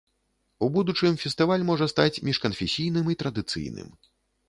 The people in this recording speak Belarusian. У будучым фестываль можа стаць міжканфесійным і традыцыйным.